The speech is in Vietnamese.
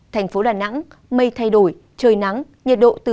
thành phố đà nẵng mây thay đổi trời nắng nhiệt độ từ hai mươi sáu